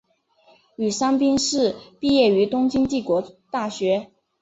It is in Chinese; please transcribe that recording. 宇山兵士毕业于东京帝国大学。